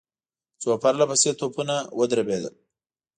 څو پرله پسې توپونه ودربېدل.